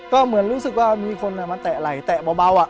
ก็เหมือนรู้สึกว่ามีคนมาแตะไหล่แตะเบาอ่ะ